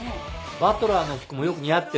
バトラーの服もよく似合ってる。